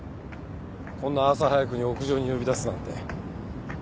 こんな朝早くに屋上に呼び出すなんて。